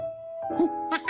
フッハハ？